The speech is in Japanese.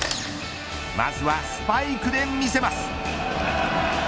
まずはスパイクで見せます。